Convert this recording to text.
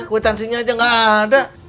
kuitansinya aja gak ada